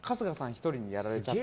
１人にやられちゃって。